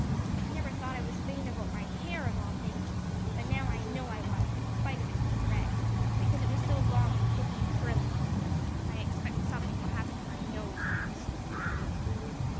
I never thought I was vain about my hair, of all things, but now I know I was, in spite of its being red, because it was so long and thick and curly. I expect something will happen to my nose next."